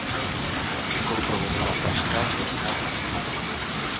Školu provozovala Pražská židovská obec.